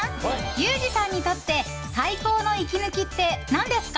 ユージさんにとって最高の息抜きって何ですか？